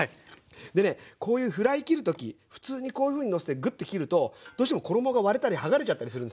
でねこういうフライ切る時普通にこういうふうにのせてグッて切るとどうしても衣が割れたり剥がれちゃったりするんですね。